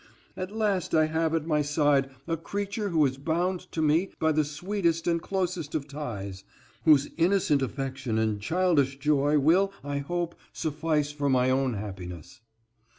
At last I have at my side a creature who is bound to me by the sweetest and closest of ties, whose innocent affection and childish joy will, I hope, suffice for my own happiness."